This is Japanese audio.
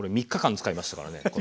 ３日間使いましたからね